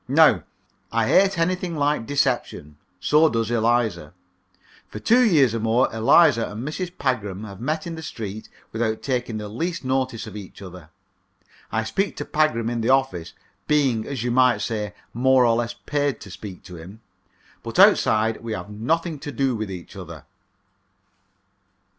Now, I hate anything like deception. So does Eliza. For two years or more Eliza and Mrs. Pagram have met in the street without taking the least notice of each other. I speak to Pagram in the office being, as you might say, more or less paid to speak to him. But outside we have nothing to do with each other.